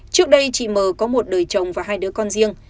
trước đây chị m có một đời chồng và hai đứa con riêng